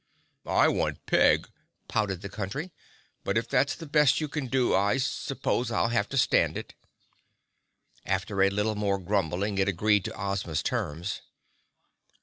"I want Peg," pouted the Country, "but if that's the best you can do I suppose I'll have to stand it." After a little more grumbling it agreed to Ozma's terms.